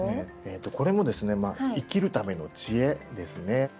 これもですね生きるための知恵ですね。